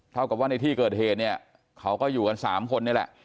เท่ากับว่าในที่เกิดเหตุเนี่ยเขาก็อยู่กัน๓คนนี่แหละ